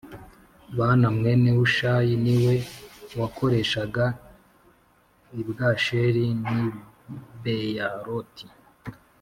Bāna mwene Hushayi ni we wakoreshaga i Bwasheri n’i Beyaloti